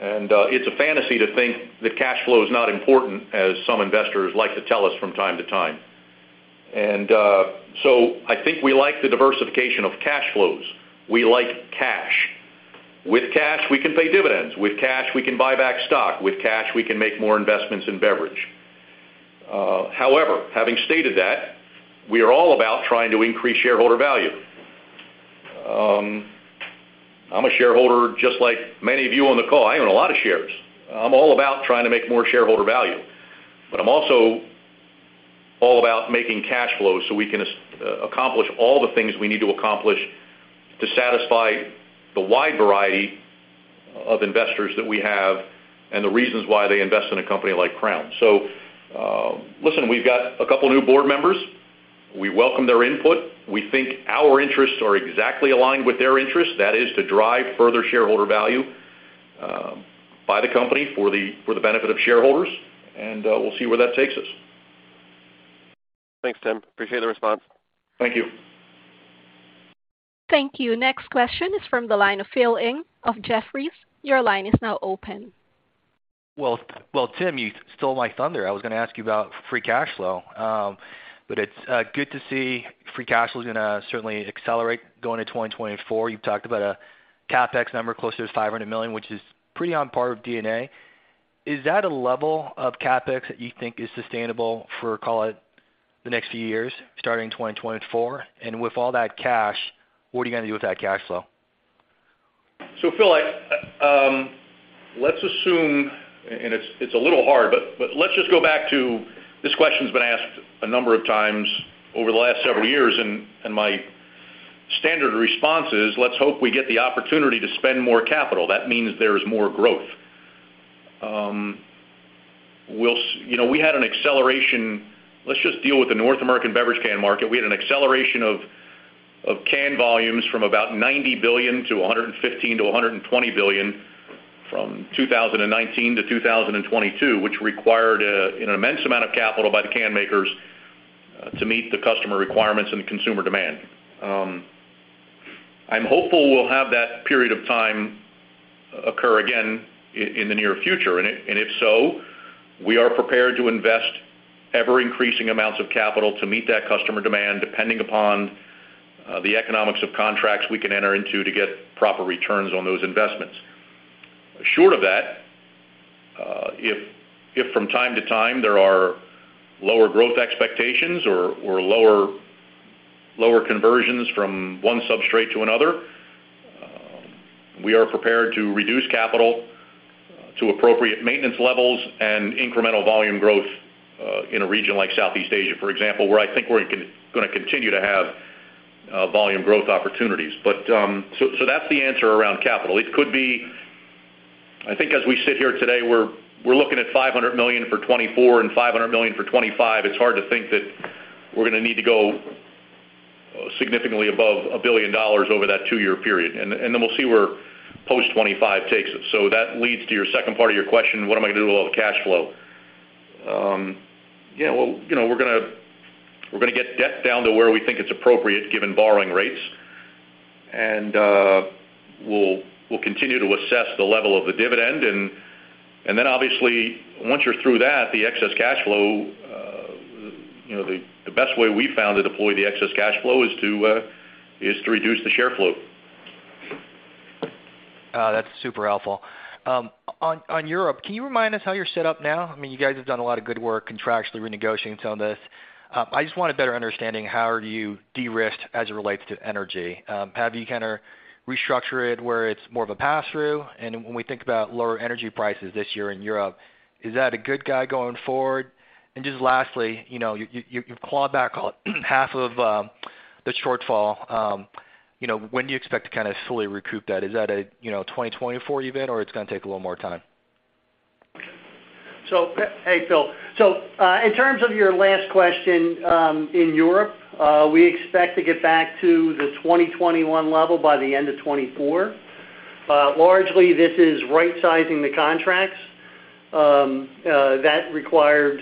It's a fantasy to think that cash flow is not important, as some investors like to tell us from time to time. I think we like the diversification of cash flows. We like cash. With cash, we can pay dividends. With cash, we can buy back stock. With cash, we can make more investments in beverage. However, having stated that, we are all about trying to increase shareholder value. I'm a shareholder just like many of you on the call. I own a lot of shares. I'm all about trying to make more shareholder value. I'm also all about making cash flow so we can accomplish all the things we need to accomplish to satisfy the wide variety of investors that we have and the reasons why they invest in a company like Crown. Listen, we've got a couple new board members. We welcome their input. We think our interests are exactly aligned with their interests. That is to drive further shareholder value, by the company for the benefit of shareholders, and we'll see where that takes us.
Thanks, Tim. Appreciate the response.
Thank you.
Thank you. Next question is from the line of Phil Ng of Jefferies. Your line is now open.
Well, well, Tim, you stole my thunder. I was gonna ask you about free cash flow. It's good to see free cash flow's gonna certainly accelerate going to 2024. You've talked about a CapEx number closer to $500 million, which is pretty on par with D&A. Is that a level of CapEx that you think is sustainable for, call it, the next few years, starting in 2024? With all that cash, what are you gonna do with that cash flow?
Phil, I, let's assume, and it's a little hard, but let's just go back to this question's been asked a number of times over the last several years, and my standard response is, let's hope we get the opportunity to spend more capital. That means there's more growth. We'll you know, we had an acceleration. Let's just deal with the North American beverage can market. We had an acceleration of can volumes from about 90 billion to 115 billion-120 billion from 2019 to 2022, which required an immense amount of capital by the can makers to meet the customer requirements and the consumer demand. I'm hopeful we'll have that period of time occur again in the near future. If so, we are prepared to invest ever-increasing amounts of capital to meet that customer demand, depending upon the economics of contracts we can enter into to get proper returns on those investments. Short of that, if from time to time, there are lower growth expectations or lower conversions from one substrate to another, we are prepared to reduce capital to appropriate maintenance levels and incremental volume growth in a region like Southeast Asia, for example, where I think we're gonna continue to have volume growth opportunities. That's the answer around capital. It could be. I think as we sit here today, we're looking at $500 million for 2024 and $500 million for 2025. It's hard to think that we're gonna need to go significantly above $1 billion over that two-year period. We'll see where post 2025 takes us. That leads to your second part of your question, what am I gonna do with all the cash flow? Well, you know, we're gonna get debt down to where we think it's appropriate given borrowing rates. We'll continue to assess the level of the dividend and then obviously, once you're through that, the excess cash flow, you know, the best way we found to deploy the excess cash flow is to reduce the share flow.
That's super helpful. On Europe, can you remind us how you're set up now? I mean, you guys have done a lot of good work contractually renegotiating some of this. I just want a better understanding how are you de-risked as it relates to energy. Have you kinda restructured where it's more of a pass-through? When we think about lower energy prices this year in Europe, is that a good guy going forward? Just lastly, you know, you clawed back half of the shortfall. You know, when do you expect to kinda fully recoup that? Is that a, you know, 2024 event, or it's gonna take a little more time?
Hey, Phil. In terms of your last question, in Europe, we expect to get back to the 2021 level by the end of 2024. Largely this is right-sizing the contracts, you know, that required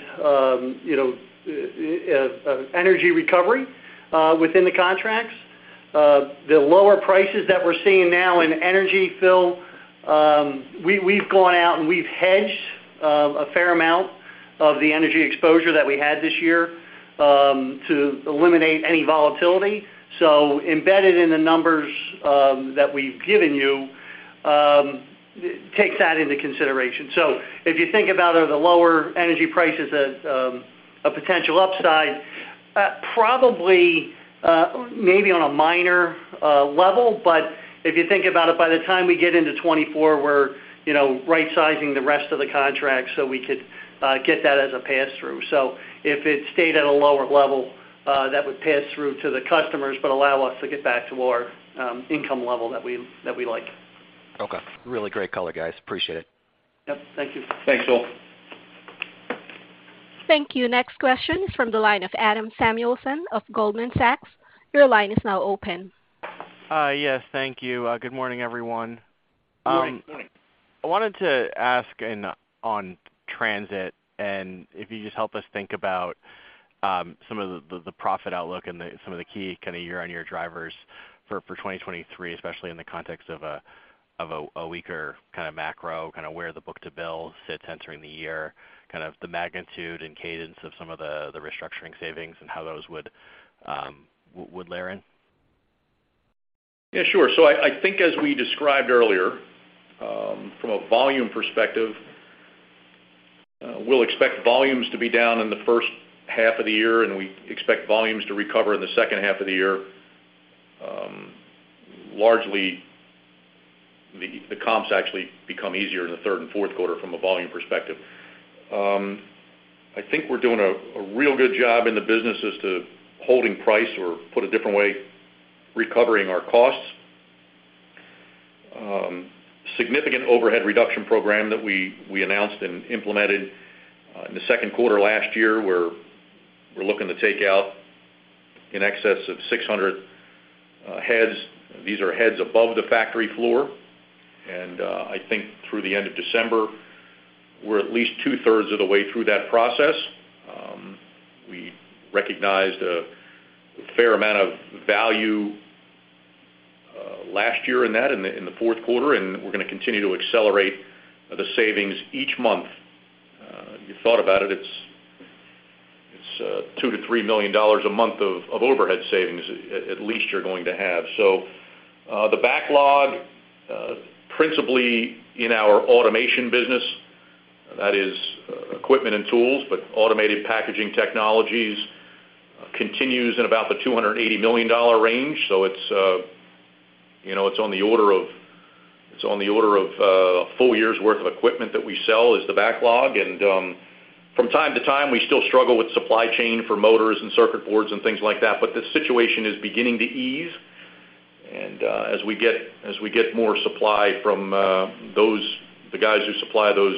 energy recovery within the contracts. The lower prices that we're seeing now in energy, Phil, we've gone out, and we've hedged a fair amount of the energy exposure that we had this year to eliminate any volatility. Embedded in the numbers that we've given you takes that into consideration. If you think about are the lower energy prices as a potential upside, probably, maybe on a minor level, but if you think about it, by the time we get into 2024, we're, you know, rightsizing the rest of the contract so we could get that as a pass-through. If it stayed at a lower level, that would pass through to the customers, but allow us to get back to our income level that we, that we like.
Okay. Really great color, guys. Appreciate it.
Yep, thank you.
Thanks, Phil.
Thank you. Next question is from the line of Adam Samuelson of Goldman Sachs. Your line is now open.
Yes, thank you. Good morning, everyone.
Good morning.
Morning.
I wanted to ask on transit, and if you just help us think about some of the profit outlook and some of the key kind of year-on-year drivers for 2023, especially in the context of a weaker kind of macro, kind of where the book to bill sits entering the year, kind of the magnitude and cadence of some of the restructuring savings and how those would layer in.
Yeah, sure. I think as we described earlier, from a volume perspective, we'll expect volumes to be down in the first half of the year, and we expect volumes to recover in the second half of the year. Largely, the comps actually become easier in the third and fourth quarter from a volume perspective. I think we're doing a real good job in the business as to holding price or, put a different way, recovering our costs. Significant overhead reduction program that we announced and implemented in the second quarter last year, we're looking to take out in excess of 600 heads. These are heads above the factory floor. I think through the end of December, we're at least two-thirds of the way through that process. We recognized a fair amount of value last year in that, in the fourth quarter, and we're gonna continue to accelerate the savings each month. If you thought about it's, it's $2 million-$3 million a month of overhead savings at least you're going to have. The backlog, principally in our automation business, that is equipment and tools, but automated packaging technologies continues in about the $280 million range. It's, you know, it's on the order of a full year's worth of equipment that we sell is the backlog. From time to time, we still struggle with supply chain for motors and circuit boards and things like that. The situation is beginning to ease. As we get more supply from the guys who supply those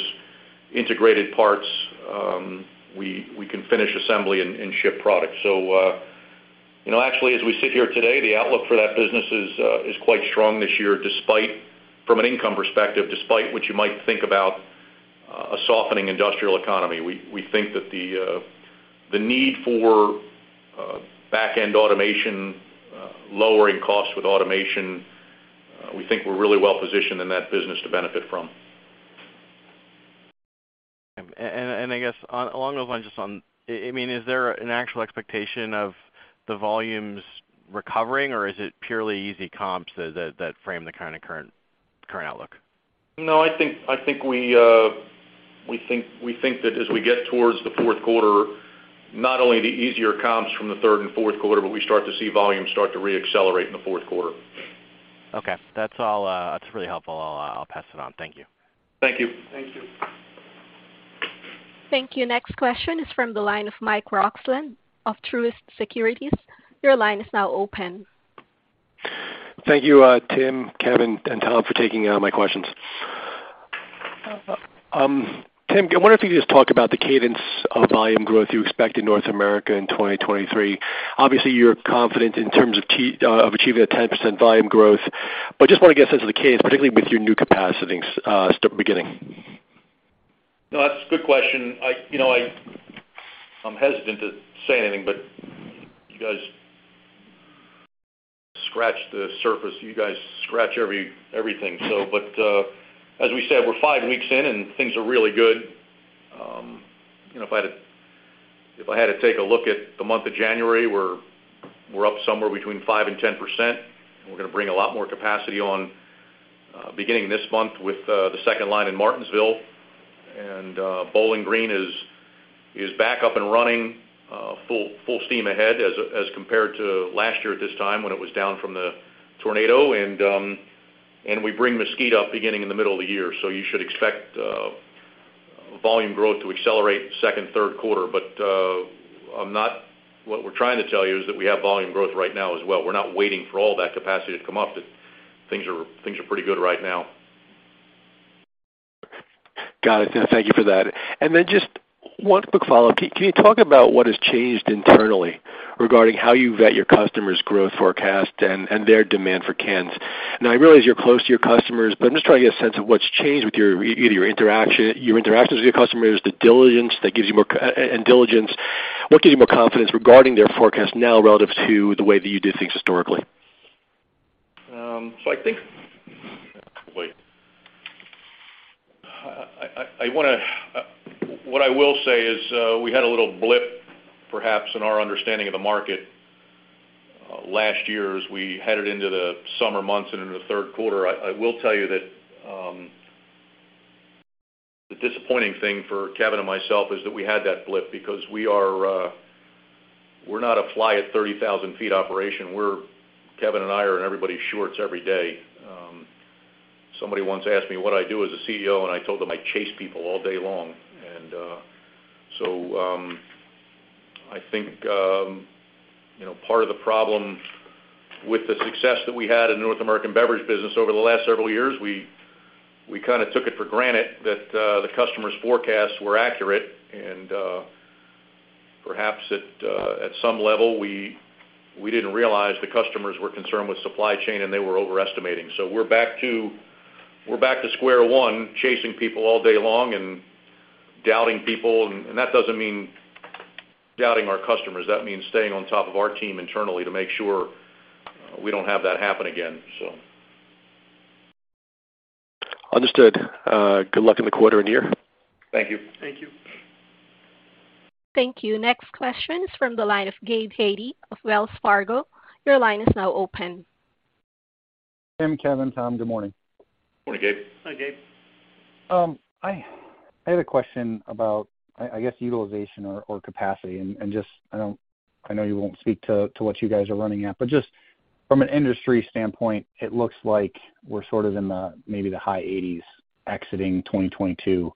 integrated parts, we can finish assembly and ship product. You know, actually, as we sit here today, the outlook for that business is quite strong this year, despite from an income perspective, despite what you might think about a softening industrial economy. We think that the need for backend automation, lowering costs with automation, we think we're really well positioned in that business to benefit from.
I guess along those lines, just on... I mean, is there an actual expectation of the volumes recovering, or is it purely easy comps that frame the kind of current outlook?
No, I think we think that as we get towards the fourth quarter, not only the easier comps from the third and fourth quarter, but we start to see volumes start to reaccelerate in the fourth quarter.
Okay. That's all, that's really helpful. I'll pass it on. Thank you.
Thank you.
Thank you.
Thank you. Next question is from the line of Mike Roxland of Truist Securities. Your line is now open.
Thank you, Tim, Kevin, and Tom for taking my questions. Tim, I wonder if you could just talk about the cadence of volume growth you expect in North America in 2023. Obviously, you're confident in terms of achieving a 10% volume growth, but just want to get a sense of the cadence, particularly with your new capacities beginning.
No, that's a good question. I'm hesitant to say anything, you guys scratch the surface. You guys scratch everything. As we said, we're five weeks in, and things are really good. If I had to, if I had to take a look at the month of January, we're up somewhere between 5% and 10%, and we're gonna bring a lot more capacity on beginning this month with the second line in Martinsville. Bowling Green is back up and running full steam ahead as compared to last year at this time when it was down from the tornado. We bring Mesquite up beginning in the middle of the year, so you should expect volume growth to accelerate second, third quarter. What we're trying to tell you is that we have volume growth right now as well. We're not waiting for all that capacity to come up, that things are pretty good right now.
Got it. Thank you for that. Then just one quick follow-up. Can you talk about what has changed internally regarding how you vet your customers' growth forecast and their demand for cans? Now, I realize you're close to your customers, but I'm just trying to get a sense of what's changed with your either your interaction, your interactions with your customers, the diligence that gives you more and diligence. What gives you more confidence regarding their forecast now relative to the way that you did things historically?
I think. What I will say is, we had a little blip, perhaps, in our understanding of the market last year as we headed into the summer months and into the third quarter. I will tell you that the disappointing thing for Kevin and myself is that we had that blip because we are, we're not a fly at 30,000 ft operation. Kevin and I are in everybody's shorts every day. Somebody once asked me what I do as a CEO, and I told them I chase people all day long. I think, part of the problem with the success that we had in North American beverage business over the last several years, we kinda took it for granted that the customers' forecasts were accurate. Perhaps at some level, we didn't realize the customers were concerned with supply chain, and they were overestimating. We're back to square one, chasing people all day long and doubting people. That doesn't mean doubting our customers. That means staying on top of our team internally to make sure we don't have that happen again.
Understood. Good luck in the quarter and year.
Thank you.
Thank you.
Thank you. Next question is from the line of Gabe Hajde of Wells Fargo. Your line is now open.
Tim, Kevin, Tom, good morning.
Morning, Gabe.
Hi, Gabe.
I had a question about, I guess utilization or capacity and just, I know you won't speak to what you guys are running at. Just from an industry standpoint, it looks like we're sort of in the, maybe the high 80s exiting 2022.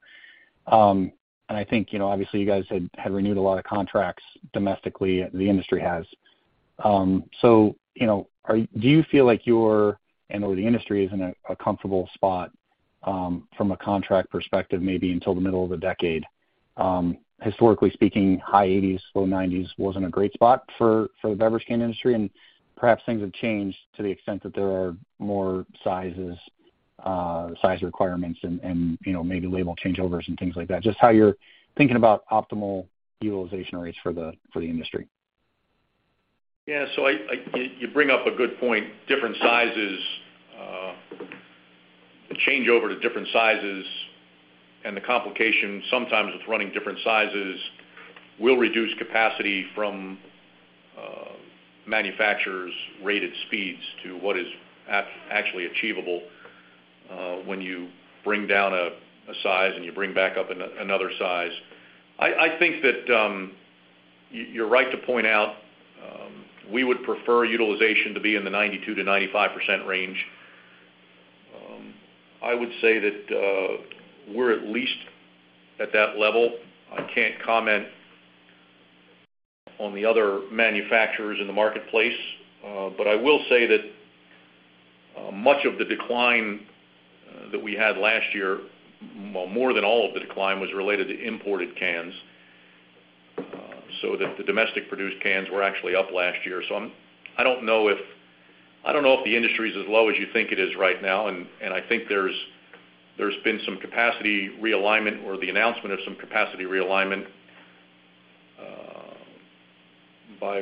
I think, you know, obviously you guys had renewed a lot of contracts domestically, the industry has. You know, do you feel like you're, and/or the industry is in a comfortable spot from a contract perspective, maybe until the middle of the decade? Historically speaking, high 80s, low 90s wasn't a great spot for the beverage can industry, and perhaps things have changed to the extent that there are more size requirements and, you know, maybe label changeovers and things like that. Just how you're thinking about optimal utilization rates for the, for the industry.
Yeah. You bring up a good point. Different sizes, the changeover to different sizes and the complication sometimes with running different sizes will reduce capacity from manufacturers' rated speeds to what is actually achievable when you bring down a size and you bring back up another size. I think that you're right to point out, we would prefer utilization to be in the 92%-95% range. I would say that we're at least at that level. I can't comment on the other manufacturers in the marketplace. But I will say that much of the decline that we had last year, well, more than all of the decline was related to imported cans, so that the domestic produced cans were actually up last year. I don't know if the industry is as low as you think it is right now, and I think there's been some capacity realignment or the announcement of some capacity realignment by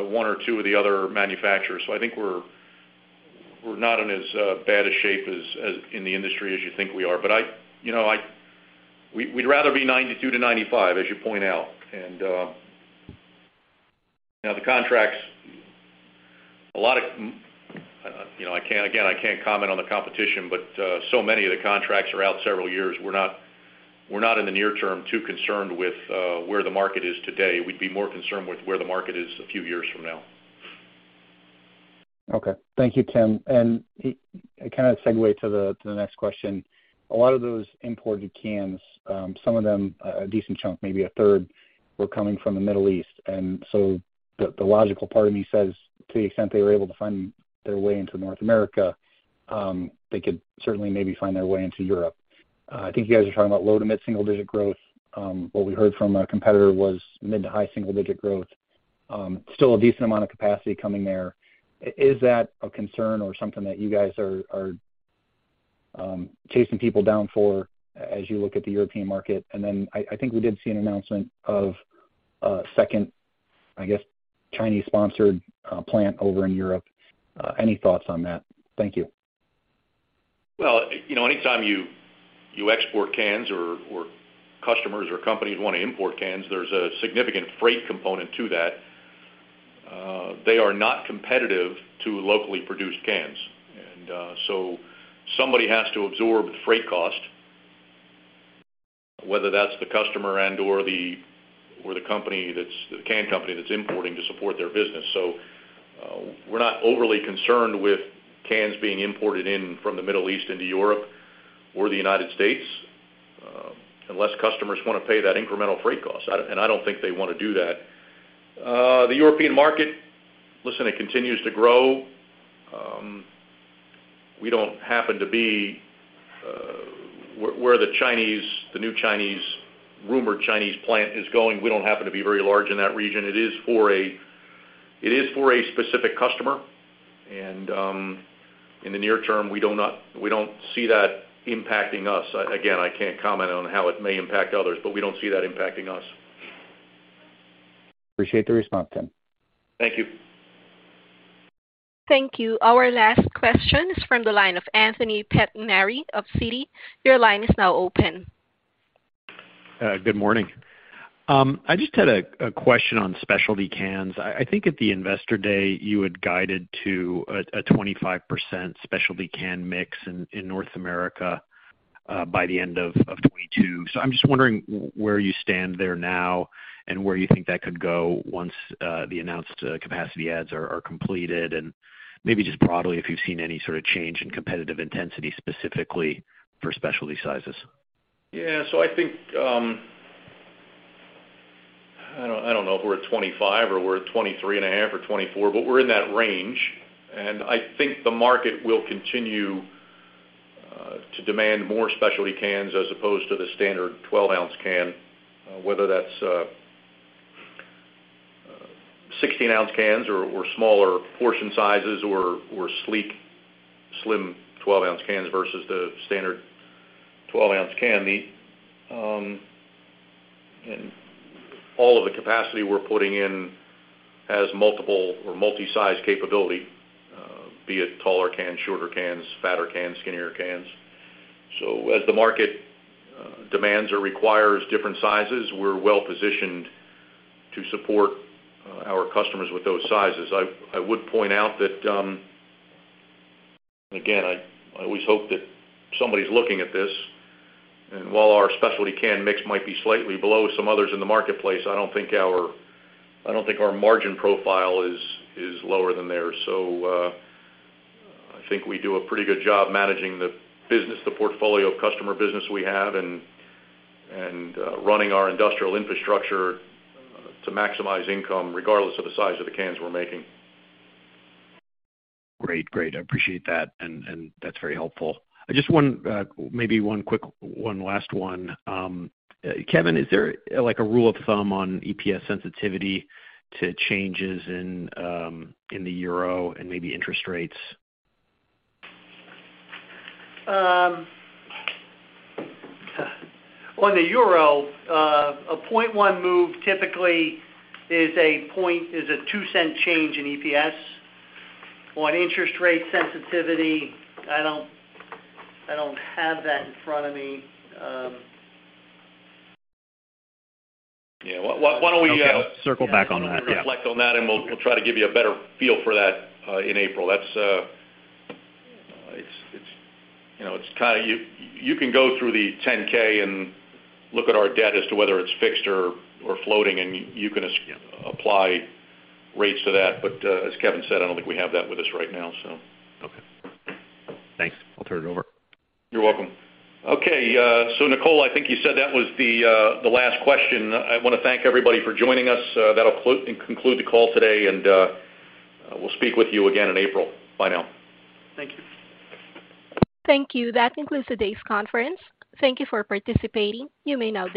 one or two of the other manufacturers. I think we're not in as bad a shape as in the industry as you think we are. I, you know, We'd rather be 92%-95%, as you point out. Now the contracts, you know, I can't, again, I can't comment on the competition, but so many of the contracts are out several years. We're not in the near term too concerned with where the market is today. We'd be more concerned with where the market is a few years from now.
Okay. Thank you, Tim. Kind of segue to the next question. A lot of those imported cans, some of them, a decent chunk, maybe a third, were coming from the Middle East. The logical part of me says, to the extent they were able to find their way into North America, they could certainly maybe find their way into Europe. I think you guys are talking about low to mid single-digit growth. What we heard from a competitor was mid to high single-digit growth. Still a decent amount of capacity coming there. Is that a concern or something that you guys are chasing people down for as you look at the European market? I think we did see an announcement of a second, I guess, Chinese-sponsored, plant over in Europe. Any thoughts on that? Thank you.
Well, you know, anytime you export cans or customers or companies wanna import cans, there's a significant freight component to that. They are not competitive to locally produced cans. Somebody has to absorb the freight cost, whether that's the customer and/or the can company that's importing to support their business. We're not overly concerned with cans being imported in from the Middle East into Europe or the United States, unless customers wanna pay that incremental freight cost, I don't think they wanna do that. The European market, listen, it continues to grow. We don't happen to be where the Chinese, the new Chinese, rumored Chinese plant is going, we don't happen to be very large in that region. It is for a specific customer. In the near term, we don't see that impacting us. I can't comment on how it may impact others, but we don't see that impacting us.
Appreciate the response, Tim.
Thank you.
Thank you. Our last question is from the line of Anthony Pettinari of Citi. Your line is now open.
Good morning. I just had a question on specialty cans. I think at the Investor Day, you had guided to a 25% specialty can mix in North America by the end of 2022. I'm just wondering where you stand there now and where you think that could go once the announced capacity ads are completed, and maybe just broadly, if you've seen any sort of change in competitive intensity, specifically for specialty sizes.
I don't know if we're at 25 or we're at 23 and a half or 24, but we're in that range. I think the market will continue to demand more specialty cans as opposed to the standard 12-ounce can, whether that's 16-ounce cans or smaller portion sizes or sleek, slim 12-ounce cans versus the standard 12-ounce can. All of the capacity we're putting in has multiple or multi-size capability, be it taller cans, shorter cans, fatter cans, skinnier cans. As the market demands or requires different sizes, we're well-positioned to support our customers with those sizes. I would point out that again, I always hope that somebody's looking at this. While our specialty can mix might be slightly below some others in the marketplace, I don't think our margin profile is lower than theirs. I think we do a pretty good job managing the business, the portfolio of customer business we have, and running our industrial infrastructure to maximize income regardless of the size of the cans we're making.
Great. Great. I appreciate that. That's very helpful. Just one, maybe one last one. Kevin, is there, like, a rule of thumb on EPS sensitivity to changes in the euro and maybe interest rates?
On the Euro, a 0.1 move typically is a $0.02 change in EPS. On interest rate sensitivity, I don't have that in front of me.
Yeah. Why don't we.
Okay. I'll circle back on that. Yeah.
Why don't we reflect on that, we'll try to give you a better feel for that in April. That's. It's, you know, it's kind of, you can go through the 10-K and look at our debt as to whether it's fixed or floating.
Yeah
Apply rates to that. As Kevin said, I don't think we have that with us right now, so.
Okay. Thanks. I'll turn it over.
You're welcome. Okay, Nicole, I think you said that was the last question. I wanna thank everybody for joining us. That'll conclude the call today, we'll speak with you again in April. Bye now.
Thank you.
Thank you. That concludes today's conference. Thank you for participating. You may now disconnect.